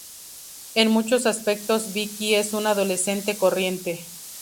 En muchos aspectos, Vicki es una adolescente corriente.